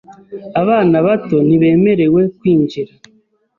Abana bato ntibemerewe kwinjira .